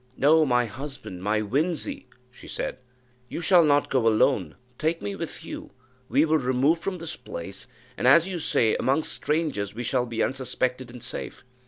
"No, my husband, my Winzy," she said, "you shall not go alone take me with you; we will remove from this place, and, as you say, among strangers we shall be unsuspected and safe.